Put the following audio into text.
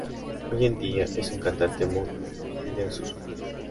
Hoy en día, es un cante muy en desuso.